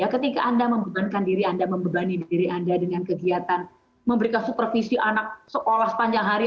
ketika anda membebankan diri anda membebani diri anda dengan kegiatan memberikan supervisi anak sekolah sepanjang hari